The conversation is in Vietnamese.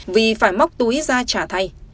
vì phải móc túi ra trả thay